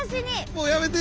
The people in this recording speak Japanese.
もうやめて！